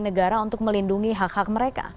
negara untuk melindungi hak hak mereka